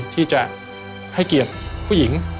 ที่จะให้เกียรติผู้หญิง